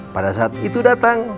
pada saat itu datang